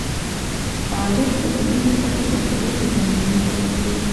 پالک د بدن لپاره ګټور ویټامینونه برابروي.